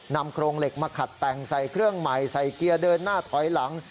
โครงเหล็กมาขัดแต่งใส่เครื่องใหม่ใส่เกียร์เดินหน้าถอยหลัง